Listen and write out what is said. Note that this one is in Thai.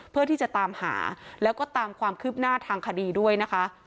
เพื่อที่จะตามหาแล้วก็ตามความคืบหน้าทางคดีด้วยนะคะ